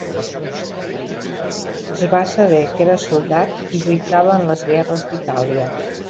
Es va saber que era soldat i lluitava en les guerres d'Itàlia.